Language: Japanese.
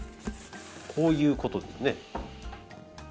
こういうことですね。